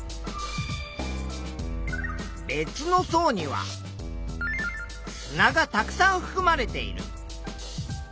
別の層には砂がたくさんふくまれている。